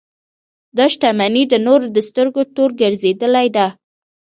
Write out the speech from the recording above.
دا شتمنۍ د نورو د سترګو تور ګرځېدلې ده.